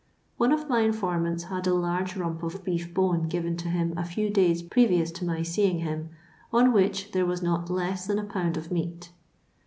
One of my informants had a large rump of beef bone given to him a few days previous to my seeing him, on which "there was not less than a pound of meat."